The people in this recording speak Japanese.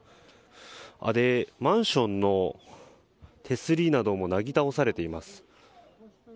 マンションの手すりなどもなぎ倒されています。